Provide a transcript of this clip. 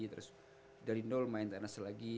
terus dari nol main tenis lagi